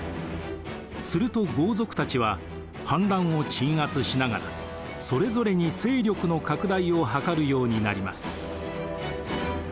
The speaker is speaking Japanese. すると豪族たちは反乱を鎮圧しながらそれぞれに勢力の拡大を図るようになります。